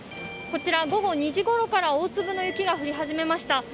こちら午後２時ごろから大粒の雪が降り始めました。